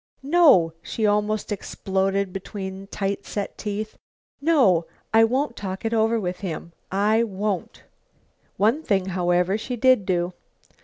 "No," she almost exploded between tight set teeth, "no, I won't talk it over with him, I won't." One thing, however, she did do.